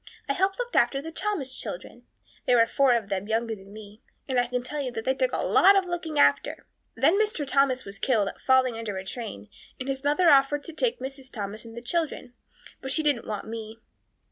I helped look after the Thomas children there were four of them younger than me and I can tell you they took a lot of looking after. Then Mr. Thomas was killed falling under a train and his mother offered to take Mrs. Thomas and the children, but she didn't want me.